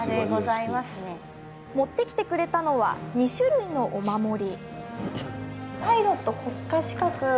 持ってきてくれたのは２種類のお守り。